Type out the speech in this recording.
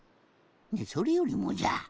それよりもじゃ。